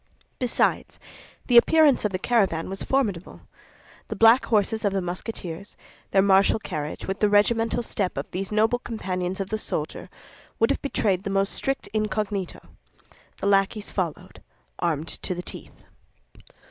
Besides, the appearance of the caravan was formidable. The black horses of the Musketeers, their martial carriage, with the regimental step of these noble companions of the soldier, would have betrayed the most strict incognito. The lackeys followed, armed to the teeth.